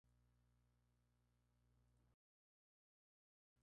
Su prestigio traspasó las fronteras.